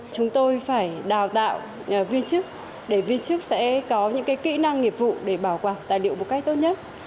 chúng tôi phải đào tạo viên chức để viên chức sẽ có những kỹ năng nghiệp vụ để bảo quản tài liệu một cách tốt nhất